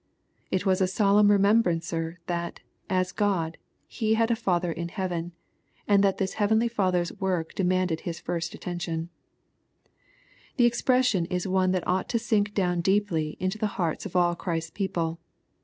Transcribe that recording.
It was a solemn remembrancer that, as God, He had a Father in heaven, and that this heavenly Father's work demanded His first attention The expression is one that ought to sink down deeply into the hearts of all Christ's people.